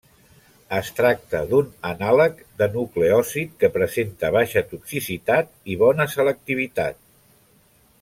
Es tracta d'un anàleg de nucleòsid que presenta baixa toxicitat i bona selectivitat.